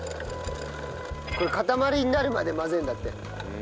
これかたまりになるまで混ぜるんだって。